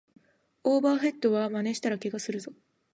オーバーヘッドはまねしたらケガするぞ